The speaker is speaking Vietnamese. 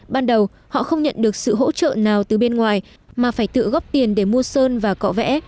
ban đầu họ không nhận được sự hỗ trợ nào từ bên ngoài mà phải tự góp tiền để mua sơn và cọ vẽ